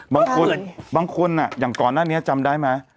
บางคนบางคนอย่างก่อนหน้านี้จำได้ไหม